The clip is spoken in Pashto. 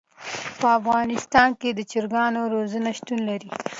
په افغانستان کې د چرګانو روزنه شتون لري.